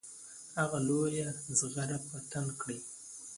هغه لویه زغره په تن کړه.